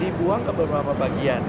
dibuang ke beberapa bagian